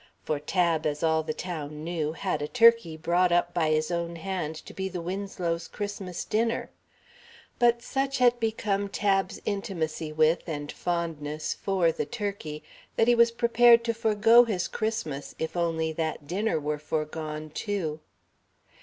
For Tab, as all the town knew, had a turkey brought up by his own hand to be the Winslows' Christmas dinner, but such had become Tab's intimacy with and fondness for the turkey that he was prepared to forego his Christmas if only that dinner were foregone, too.